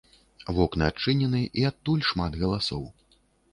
Вокны адчынены, і адтуль шмат галасоў.